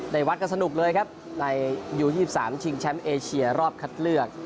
ในวัดก็สนุกเลยครับในยูยี่สิบสามชิงแชมป์เอเชียรอบคัดเลือก